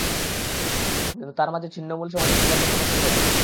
কিন্তু তার মাঝে ছিন্নমূল সমাজে শিকার করতে পছন্দ করত।